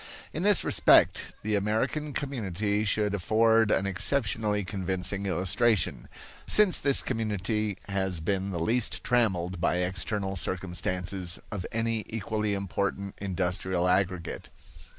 In this respect the American community should afford an exceptionally convincing illustration, since this community has been the least trammelled by external circumstances of any equally important industrial aggregate.